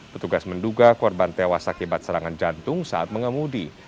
petugas menduga korban tewas akibat serangan jantung saat mengemudi